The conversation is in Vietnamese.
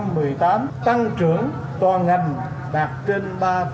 năm hai nghìn một mươi tám tăng trưởng toàn ngành đạt trên ba